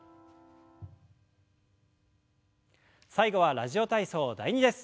最後は「ラジオ体操第２」です。